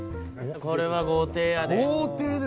これは豪邸やで。